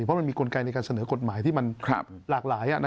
เพราะมันมีกลไกในการเสนอกฎหมายที่มันหลากหลาย